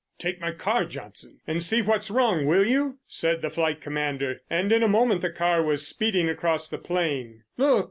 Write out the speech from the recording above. "Take my car, Johnson, and see what's wrong, will you?" said the Flight Commander—and in a moment the car was speeding across the plain. "Look!